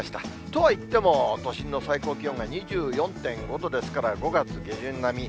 とはいっても、都心の最高気温が２４．５度ですから、５月下旬並み。